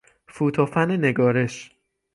فوت و فن نگارش